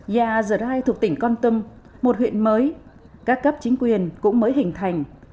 gia giờ rai thuộc tỉnh con tâm một huyện mới các cấp chính quyền cũng mới hình thành